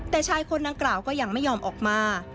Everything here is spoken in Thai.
แต่ชายคนนางกล่าวก็ยังไม่ยอมออกมา